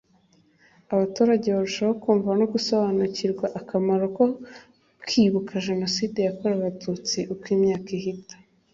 Abaturage barushaho kumva no gusobanukirwa akamaro ko kwibuka Jenoside yakorewe Abatutsi uko imyaka ihita